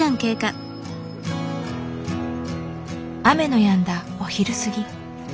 雨のやんだお昼過ぎ。